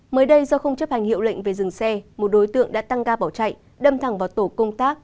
mới đây do không chấp hành hiệu lệnh về dừng xe một đối tượng đã tăng ga bỏ chạy đâm thẳng vào tổ công tác